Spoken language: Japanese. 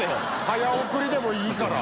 早送りでもいいから。